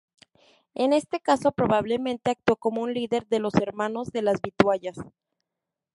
En este caso, probablemente actuó como un líder de los Hermanos de las vituallas.